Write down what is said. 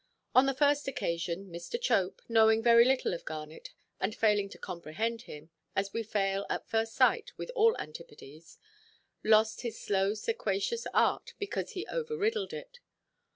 On the first occasion, Mr. Chope, knowing very little of Garnet, and failing to comprehend him (as we fail, at first sight, with all antipodes), lost his slow sequacious art, because he over–riddled it.